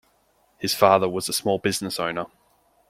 His father was a small business owner.